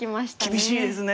厳しいですね。